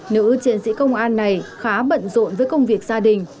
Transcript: nữ chiến sĩ công an này khá bận rộn với công việc gia đình